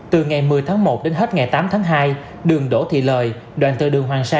từ ngày một mươi tháng một đến hết ngày tám tháng hai đường đỗ thị lời đoạn từ đường hoàng sa